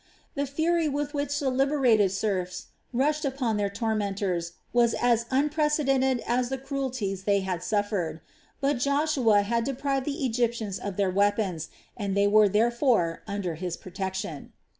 The fury with which the liberated serfs rushed upon their tormentors was as unprecedented as the cruelties they had suffered. But Joshua had deprived the Egyptians of their weapons, and they were therefore under his protection.